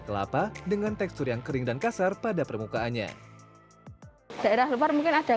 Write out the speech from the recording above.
kelapa dengan tekstur yang kering dan kasar pada permukaannya daerah luar mungkin akan